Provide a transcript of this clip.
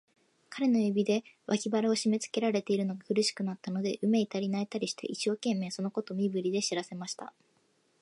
彼の指で、脇腹をしめつけられているのが苦しくなったので、うめいたり、泣いたりして、一生懸命、そのことを身振りで知らせました。